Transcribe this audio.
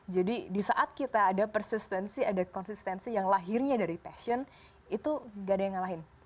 jadi disaat kita ada persistency ada consistency yang lahirnya dari passion itu gak ada yang ngalahin